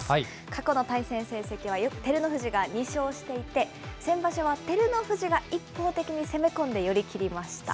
過去の対戦成績は、照ノ富士が２勝していて、先場所は照ノ富士が一方的に攻め込んで寄り切りました。